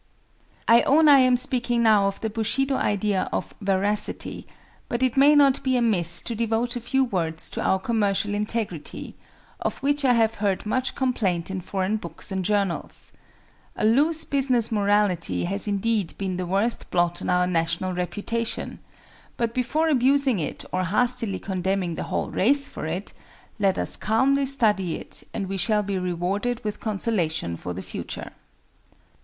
[Footnote 14: Peery, The Gist of Japan, p. 86.] I own I am speaking now of the Bushido idea of veracity; but it may not be amiss to devote a few words to our commercial integrity, of which I have heard much complaint in foreign books and journals. A loose business morality has indeed been the worst blot on our national reputation; but before abusing it or hastily condemning the whole race for it, let us calmly study it and we shall be rewarded with consolation for the future.